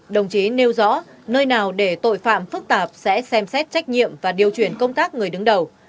đồng chí nêu rõ nơi nào để tội phạm phức tạp sẽ xem xét trách nhiệm và điều chuyển công tác người đứng đầu